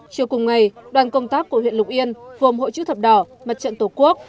chiều cùng ngày đoàn công tác của huyện lục yên vùng hội chữ thập đỏ mặt trận tổ quốc